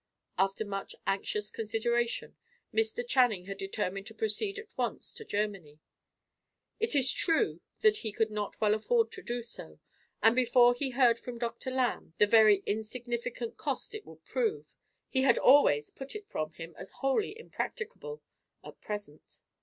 After much anxious consideration, Mr. Channing had determined to proceed at once to Germany. It is true that he could not well afford to do so; and, before he heard from Dr. Lamb the very insignificant cost it would prove, he had always put it from him, as wholly impracticable at present.